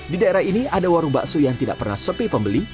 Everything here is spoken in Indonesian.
di daerah ini ada warung bakso yang tidak pernah sepi pembeli